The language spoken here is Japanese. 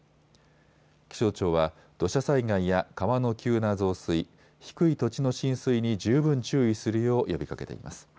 気象庁は土砂災害や川の急な増水、低い土地の浸水に十分注意するよう呼びかけています。